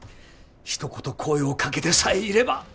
一言声をかけてさえいれば。